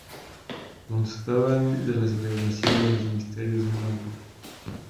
Constaban de la celebración de los misterios y de un banquete.